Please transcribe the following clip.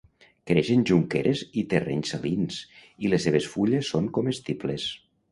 Creix en jonqueres i terrenys salins i les seves fulles són comestibles.